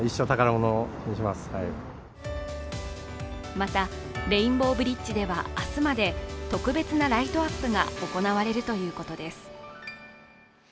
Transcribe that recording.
また、レインボーブリッジは明日まで、特別なライトアップが行われるということです。